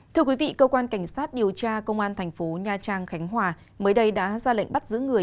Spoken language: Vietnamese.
thưa quý vị cơ quan cảnh sát điều tra công an thành phố nha trang khánh hòa mới đây đã ra lệnh bắt giữ người